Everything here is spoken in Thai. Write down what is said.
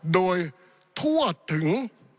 โดยทวชถึง